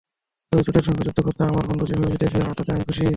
তবে চোটের সঙ্গে যুদ্ধ করে আমার বন্ধু যেভাবে জিতেছে, তাতে আমি খুশি।